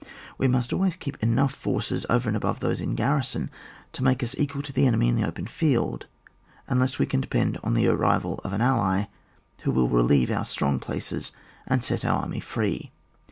We must id ways keep enough forces, over and above those in garrison, to make us equal to the enemy in the open field, unless we can de Send on the arrival of an ally, who will re eve our strong places and set our army free.